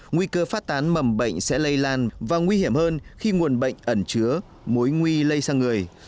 nguy cơ phát tán mầm bệnh sẽ lây lan và nguy hiểm hơn khi nguồn bệnh ẩn chứa mối nguy lây sang người